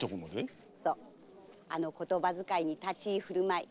あの言葉遣いに立ち居ふるまい。